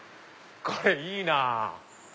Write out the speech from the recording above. これいいなぁ。